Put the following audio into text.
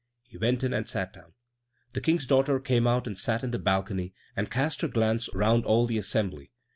He went in and sat down. The King's daughter came out and sat in the balcony, and cast her glance round all the assembly.